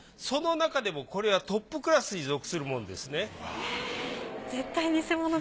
その中でもこれはトップクラスに属するものですね。